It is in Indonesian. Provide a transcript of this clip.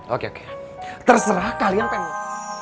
oke oke terserah kalian pengen